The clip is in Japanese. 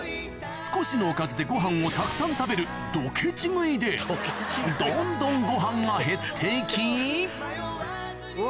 少しのおかずでご飯をたくさん食べるどんどんご飯が減って行き・うわ